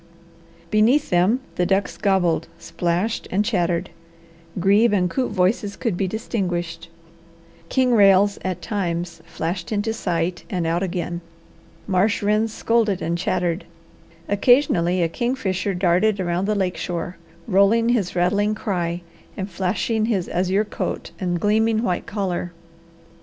Beneath them the ducks gobbled, splashed, and chattered; grebe and coot voices could be distinguished; king rails at times flashed into sight and out again; marsh wrens scolded and chattered; occasionally a kingfisher darted around the lake shore, rolling his rattling cry and flashing his azure coat and gleaming white collar.